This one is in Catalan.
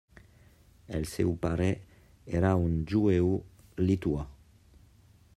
El seu pare era un jueu lituà.